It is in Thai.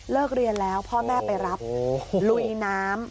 เรียนแล้วพ่อแม่ไปรับลุยน้ำ